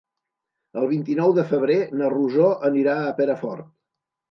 El vint-i-nou de febrer na Rosó anirà a Perafort.